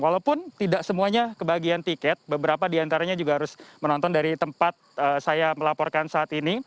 walaupun tidak semuanya kebagian tiket beberapa di antaranya juga harus menonton dari tempat saya melaporkan saat ini